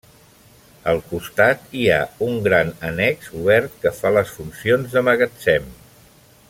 Al costat hi ha un gran annex obert que fa les funcions de magatzem.